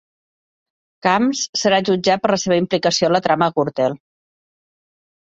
Camps serà jutjat per la seva implicació a la trama Gürtel